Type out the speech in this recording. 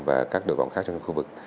và các đội bóng khác trong khu vực